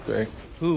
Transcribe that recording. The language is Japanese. うん。